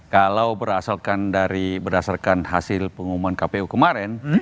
kalau berdasarkan dari berdasarkan hasil pengumuman kpu kemarin